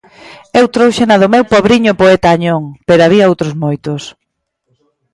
Eu tróuxena do meu pobriño poeta Añón, pero había outros moitos.